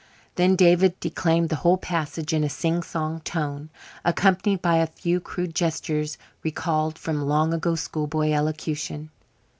'" Then David declaimed the whole passage in a sing song tone, accompanied by a few crude gestures recalled from long ago school boy elocution.